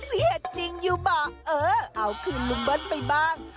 เหตุจริงอยู่บอกเออเอาคืนลุงเบิ้ลไปบ้าง